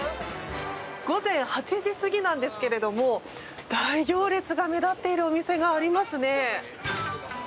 午前８時過ぎですが大行列の店が目立っているお店がありますね。